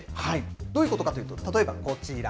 どういうことかというと、例えばこちら。